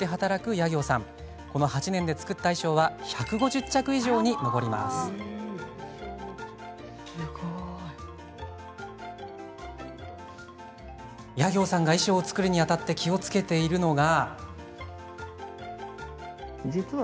夜行さんが衣装を作るにあたって気をつけているのが。